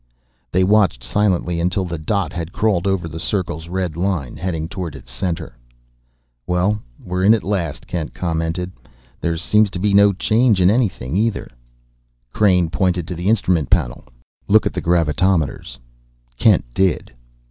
They watched silently until the dot had crawled over the circle's red line, heading toward its center. "Well, we're in at last," Kent commented. "There seems to be no change in anything, either." Crain pointed to the instrument panel. "Look at the gravitometers." Kent did.